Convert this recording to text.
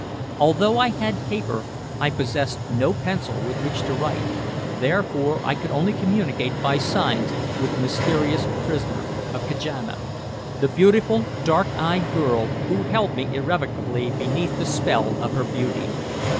Although I had paper, I possessed no pencil with which to write, therefore I could only communicate by signs with the mysterious prisoner of Kajana, the beautiful dark eyed girl who held me irrevocably beneath the spell of her beauty.